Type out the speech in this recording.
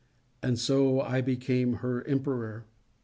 And so I became her emperor.